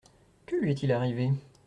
Que lui est-il arrivé ?